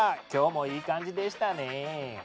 今日もいい感じでしたね。